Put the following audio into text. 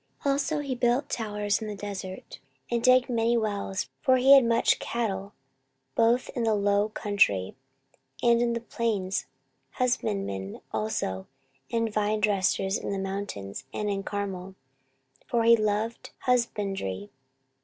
14:026:010 Also he built towers in the desert, and digged many wells: for he had much cattle, both in the low country, and in the plains: husbandmen also, and vine dressers in the mountains, and in Carmel: for he loved husbandry.